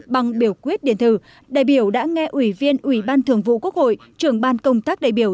bằng biểu quyết điện thử đại biểu đã nghe ủy viên ủy ban thường vụ quốc hội trưởng ban công tác đại biểu